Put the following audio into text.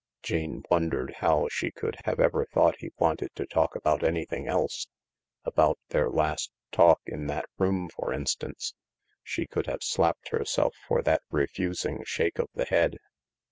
Jane wondered how she could have ever thought he wanted to talk about anything else — about their last talk in that room, for instance. She could have slapped herself for that refusing shake of the head.